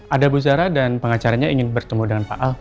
ada bu zara dan pengacaranya ingin bertemu dengan pak ahok